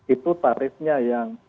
itu tarifnya yang